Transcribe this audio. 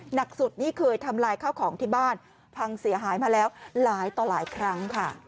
หนักสุดนี่เคยทำลายข้าวของที่บ้านพังเสียหายมาแล้วหลายต่อหลายครั้งค่ะ